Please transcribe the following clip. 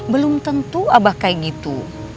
belum tentu abah kayak gitu